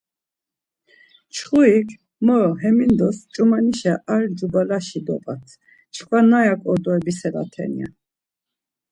Mçxurik, Moro hemindos ç̌umanişe ar ncubalaşi dop̌at çkva nayak ordo ebiselaten ya.